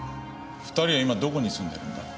２人は今どこに住んでいるんだ？